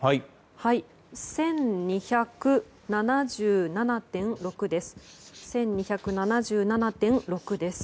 １２７７．６です。